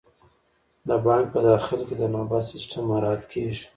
د بانک په داخل کې د نوبت سیستم مراعات کیږي.